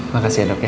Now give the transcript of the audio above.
makasih ya dok ya